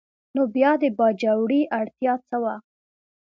نو بیا د باجوړي اړتیا څه وه؟